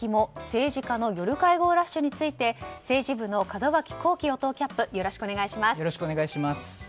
政治家の夜会合ラッシュについて政治部の門脇功樹与党キャップよろしくお願いします。